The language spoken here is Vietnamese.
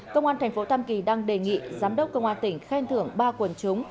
công an thành phố tam kỳ đang đề nghị giám đốc công an tỉnh khen thưởng ba quần chúng